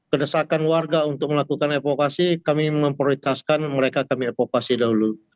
kedesakan warga untuk melakukan evakuasi kami memprioritaskan mereka kami evakuasi dahulu